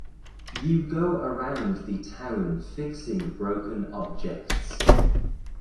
You go around the town fixing broken objects.